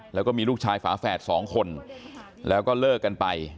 แล้วก็มีลูกชายฝาแฝดสองคนแล้วก็เลิกกันไป